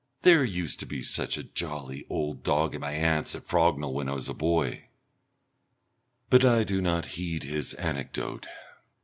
There used to be such a jolly old dog at my aunt's at Frognal when I was a boy " But I do not heed his anecdote.